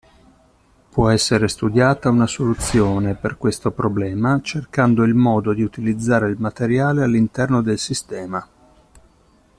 Può essere studiata una soluzione per questo problema cercando il modo di utilizzare il materiale all'interno del sistema.